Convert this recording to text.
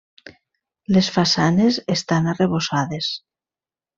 Les façanes estan arrebossades.